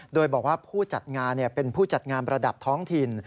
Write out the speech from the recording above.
โดยบอกว่าผู้จัดงานเป็นผู้จัดงานประดับท้องถิ่น